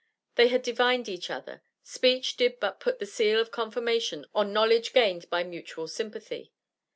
They had divined each other; speech did but put the seal of confirmation on knowledge gained by mutual sympathy.